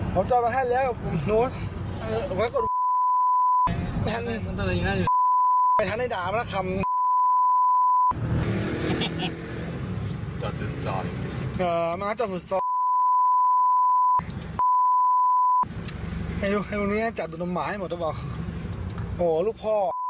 เอ่อมาจอดส่วนให้วันนี้จัดตุ่มหมาให้หมดหรือเปล่าโหลูกพ่อ